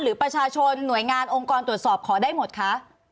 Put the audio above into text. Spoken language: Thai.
หรือประชาชนหน่วยงานองค์กรตรวจสอบขอได้หมดคะ